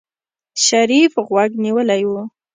شريف غوږ نيولی و.